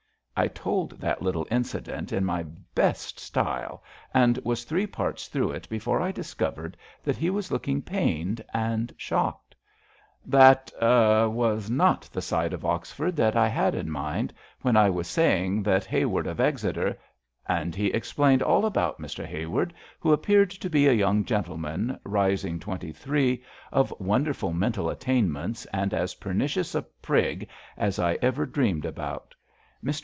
*' I told that little incident in my best style, and was three parts through it before I discovered that he was looking pained and shocked. That — ah — was not the side of Oxford that I had in mind when I was saying that Haward of Exeter '' And he explained all about Mr. Haward, who appeared to be a young gentleman, rising twenty three, of wonderful mental attain ments, and as i)emicious a prig as I ever dreamed about. Mr.